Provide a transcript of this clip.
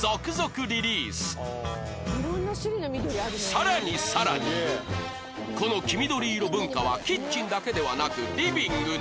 さらにさらにこの黄緑色文化はキッチンだけではなくリビングにも